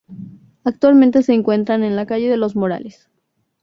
Actualmente se encuentra en la calle de los Morales.